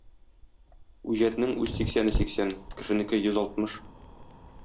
Үҗәтнең үз сиксәне сиксән, кешенеке йөз алтмыш.